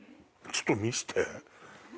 ちょっと見せて。